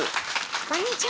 こんにちは！